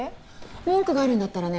文句があるんだったらね